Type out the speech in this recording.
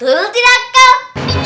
belum tidak kal